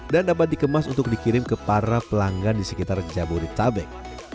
dan dapat dikemas untuk dikirim ke para pelanggan di sekitar jabodetabek